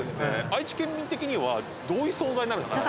愛知県民的には、どういう存在になるんですか。